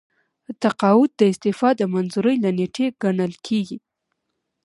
تقاعد د استعفا د منظورۍ له نیټې ګڼل کیږي.